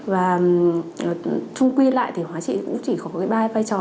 và trung quy lại thì hóa trị cũng chỉ có cái ba vai trò